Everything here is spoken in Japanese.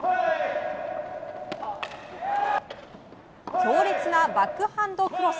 強烈なバックハンドクロス。